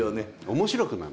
面白くなる。